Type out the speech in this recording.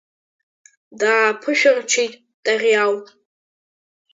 Дааԥышәарччеит Тариал.